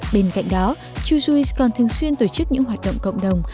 bên cạnh đó chujuice còn thường xuyên tổ chức những hoạt động cộng đồng